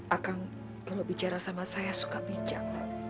akan kalau bicara sama saya suka bijak